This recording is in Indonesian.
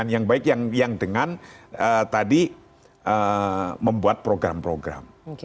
yang baik yang dengan tadi membuat program program